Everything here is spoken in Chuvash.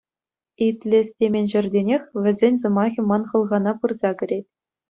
Итлес темен ҫӗртенех вӗсен сӑмахӗ ман хӑлхана пырса кӗрет.